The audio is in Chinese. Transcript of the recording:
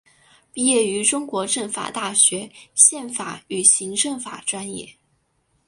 毕业于中国政法大学宪法与行政法专业。